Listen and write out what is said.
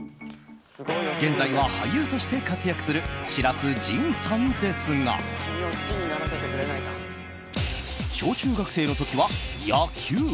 現在は俳優として活躍する白洲迅さんですが小中学生の時は野球。